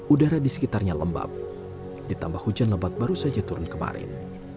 udara di sekitarnya lembab ditambah hujan lebat baru saja turun kemarin